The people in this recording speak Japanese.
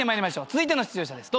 続いての出場者です。